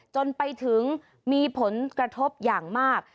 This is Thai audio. จนไปถึงมีผลกระทบอย่างมาก